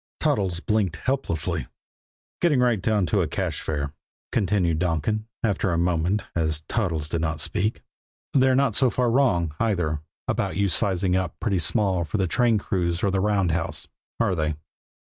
Toddles blinked helplessly. "Getting right down to a cash fare," continued Donkin, after a moment, as Toddles did not speak, "they're not so far wrong, either, about you sizing up pretty small for the train crews or the roundhouse, are they?"